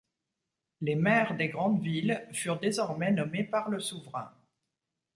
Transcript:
Les maires des grandes villes furent désormais nommés par le souverain.